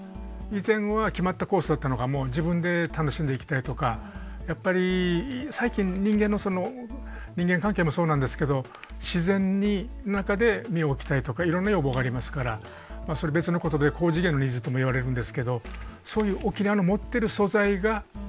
以前は決まったコースだったのがもう自分で楽しんでいきたいとかやっぱり最近人間の人間関係もそうなんですけど自然の中で身を置きたいとかいろんな要望がありますからそれ別のことで高次元のニーズともいわれるんですけどそういう沖縄の持ってる素材が認められてきたと。